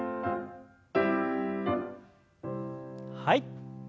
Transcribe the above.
はい。